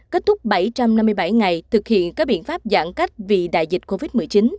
kết thúc bảy trăm năm mươi bảy ngày thực hiện các biện pháp giãn cách vì đại dịch covid một mươi chín